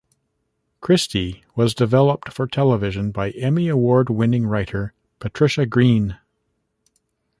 Christy was developed for television by Emmy Award winning writer Patricia Green.